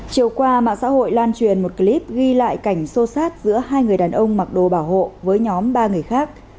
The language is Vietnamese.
chiều qua mạng xã hội lan truyền một clip ghi lại cảnh sô sát giữa hai người đàn ông mặc đồ bảo hộ với nhóm ba người khác